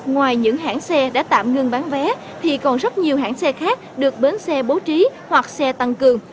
ngoài những hãng xe đã tạm ngưng bán vé thì còn rất nhiều hãng xe khác được bến xe bố trí hoặc xe tăng cường